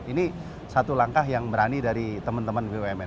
ini satu langkah yang berani dari teman teman bumn